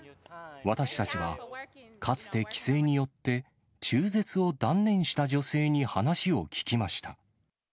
私たちは、かつて規制によって、中絶を断念した女性に話を聞きました。